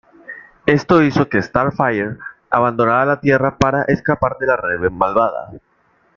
Esto hizo que Starfire abandonara la Tierra para escapar de la Raven Malvada.